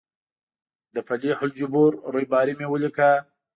د فلیح الجبور ریباري مې ولیکه.